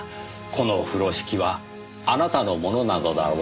この風呂敷はあなたのものなのだろうか？と。